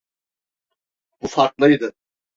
Bu farklıydı.